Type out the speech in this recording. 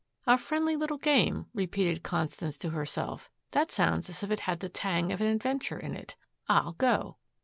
"A friendly little game," repeated Constance to herself. "That sounds as if it had the tang of an adventure in it. I'll go."